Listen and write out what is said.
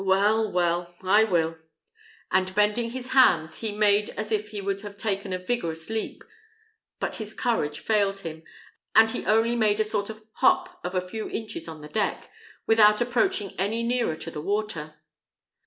Well, well, I will!" and bending his hams, he made as if he would have taken a vigorous leap; but his courage failed him, and he only made a sort of hop of a few inches on the deck, without approaching any nearer to the water.